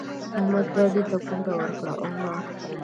احمد ګاډي ته پونده ورکړه؛ او ولاړ.